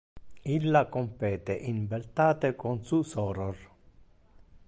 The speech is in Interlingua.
Illa compete in beltate con su soror.